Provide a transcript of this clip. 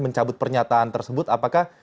mencabut pernyataan tersebut apakah